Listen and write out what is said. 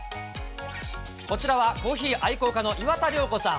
こちらはコーヒー愛好家の岩田リョウコさん。